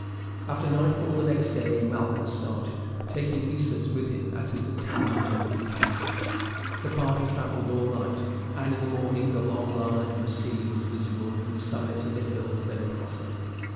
After nightfall the next day Malchus started, taking Nessus with him as his attendant and companion. The party travelled all night, and in the morning the long line of the sea was visible from the summits of the hills they were crossing.